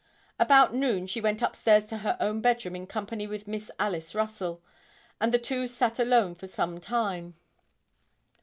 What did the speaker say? About noon she went upstairs to her own bedroom in company with Miss Alice Russell, and the two sat alone for some time.